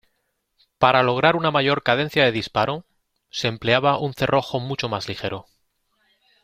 Para lograr una mayor cadencia de disparo, se empleaba un cerrojo mucho más ligero.